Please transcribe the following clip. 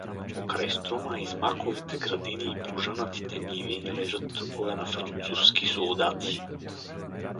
Покрай Струма из маковите градини и пожънатите ниви лежат трупове на французки солдати.